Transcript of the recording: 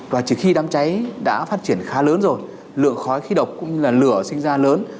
và chỉ khi đám cháy đã phát triển khá lớn rồi lượng khói khí độc cũng như lửa sinh ra lớn